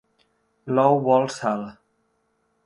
L'ou vol sal.